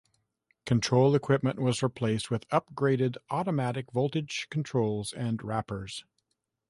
Control equipment was replaced with upgraded automatic voltage controls and rappers.